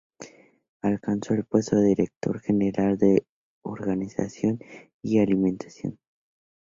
Alcanzó el puesto de director general de organización y alimentación.